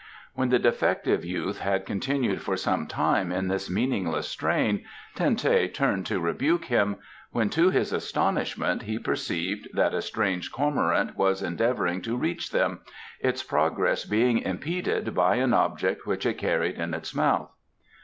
When the defective youth had continued for some time in this meaningless strain Ten teh turned to rebuke him, when to his astonishment he perceived that a strange cormorant was endeavouring to reach them, its progress being impeded by an object which it carried in its mouth.